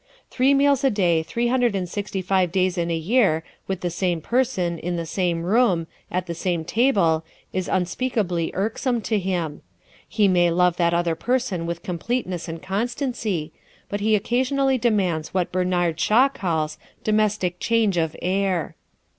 Three meals a day three hundred and sixty five days in a year, with the same person, in the same room, at the same table, is unspeakably irksome to him. He may love that other person with completeness and constancy, but he occasionally demands what Bernard Shaw calls "domestic change of air."